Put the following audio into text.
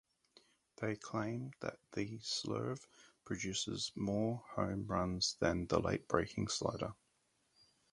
They claim that the slurve produces more home runs than a late breaking slider.